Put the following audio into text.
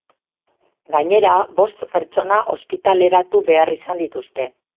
Gainera, bost pertsona ospitaleratu behar izan dituzte.